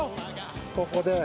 ここで。